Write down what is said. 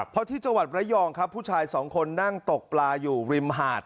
เพราะที่จังหวัดระยองครับผู้ชายสองคนนั่งตกปลาอยู่ริมหาด